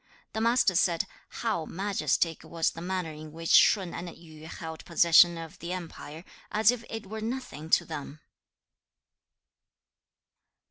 The Master said, 'How majestic was the manner in which Shun and Yu held possession of the empire, as if it were nothing to them!'